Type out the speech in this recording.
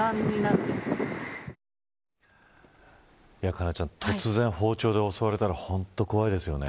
佳菜ちゃん、突然包丁で襲われたら本当に怖いですよね。